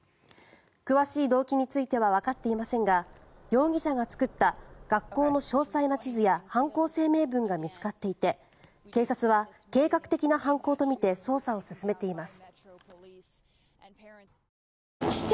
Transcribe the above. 詳しい動機についてはわかっていませんが容疑者が作った学校の詳細な地図や犯行声明文が見つかっていて徳川家康の天下統一の裏に隠された謎に迫ります。